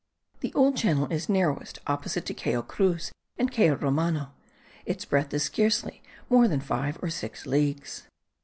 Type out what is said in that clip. The Old Channel is narrowest opposite to Cayo Cruz and Cayo Romano; its breadth is scarcely more than five or six leagues.